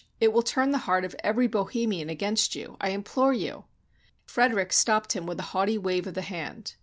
It will turn the heart of every Bohemian against you. I implore you —" Frederick stopped him with a haughty wave of the hand.